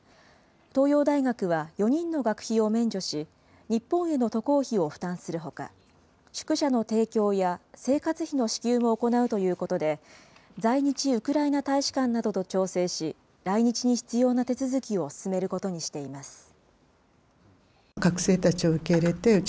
東洋大学は、４人の学費を免除し、日本への渡航費を負担するほか、宿舎の提供や、生活費の支給も行うということで、在日ウクライナ大使館などと調整し、来日に必要な手続きを進めることにしています。